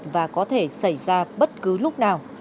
và có thể xảy ra bất cứ lúc nào